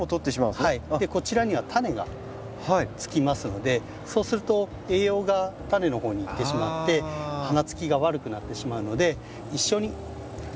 こちらには種がつきますのでそうすると栄養が種の方にいってしまって花つきが悪くなってしまうので一緒に取ってしまいましょう。